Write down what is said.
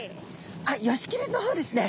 あっヨシキリの方ですね。